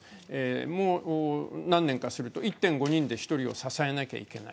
もう何年かすると１．５人で１人を支えなければいけない